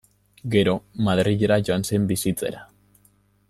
Gero Madrila joan zen bizitzera.